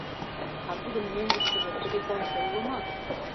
— А тудын мӧҥгыштыжӧ телефонжо уло мо?